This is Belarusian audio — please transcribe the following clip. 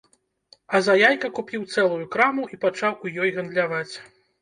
А за яйка купіў цэлую краму і пачаў у ёй гандляваць.